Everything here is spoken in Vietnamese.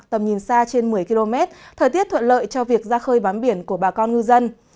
tầm nhìn xa trên một mươi km thời tiết thuận lợi cho việc ra khơi bám biển của bà con ngư dân